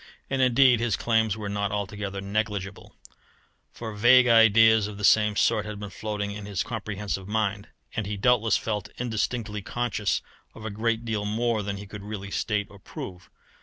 And indeed his claims were not altogether negligible; for vague ideas of the same sort had been floating in his comprehensive mind, and he doubtless felt indistinctly conscious of a great deal more than he could really state or prove.